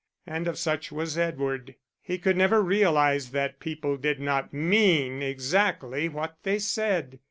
And of such was Edward. He could never realise that people did not mean exactly what they said.